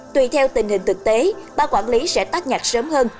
tùy theo tình hình thực tế ba quản lý sẽ tắt nhạc sớm hơn